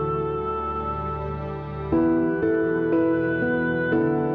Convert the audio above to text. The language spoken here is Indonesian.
suite udah bekerja duri sekali kan nih